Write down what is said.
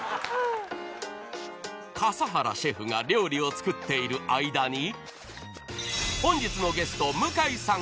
［笠原シェフが料理を作っている間に本日のゲスト向井さん